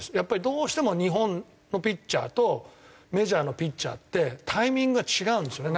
どうしても日本のピッチャーとメジャーのピッチャーってタイミングが違うんですよね